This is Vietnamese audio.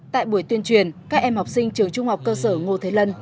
tại buổi tuyên truyền các em học sinh trường trung học cơ sở ngô thế lân